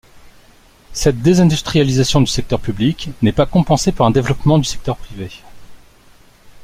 Cette désindustrialisation du secteur public n'est pas compensée par un développement du secteur privé.